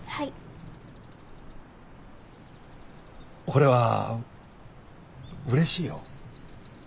俺はうれしいよ。